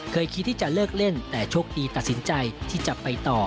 คิดที่จะเลิกเล่นแต่โชคดีตัดสินใจที่จะไปต่อ